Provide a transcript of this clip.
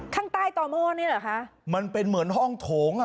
ข้างใต้ต่อหม้อนี่เหรอคะมันเป็นเหมือนห้องโถงอ่ะ